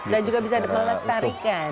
dan juga bisa diperlestarikan